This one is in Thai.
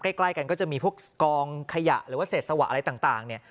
ใกล้กันก็จะมีพวกกองขยะหรือว่าเศษสวะอะไรต่างเนี่ย